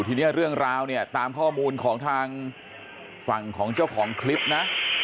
ทีนี้เรื่องราวเนี่ยตามข้อมูลของทางฝั่งของเจ้าของคลิปนะ